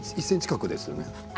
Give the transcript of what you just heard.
１ｃｍ角ですよね。